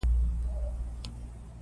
اقلیم د افغان ماشومانو د لوبو موضوع ده.